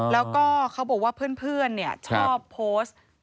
แล้วก็เขาบอกว่าเพื่อนชอบโพสต์